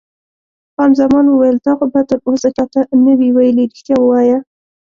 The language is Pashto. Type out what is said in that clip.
خان زمان وویل: تا خو به تراوسه چا ته نه وي ویلي؟ رښتیا وایه.